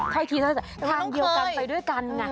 ใครทีท่าจะทางเดียวกันไปด้วยกัน